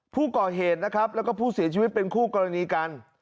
ผู้ก่อเหตุและผู้ศีลชีวิตเป็นคู่กรณีกัน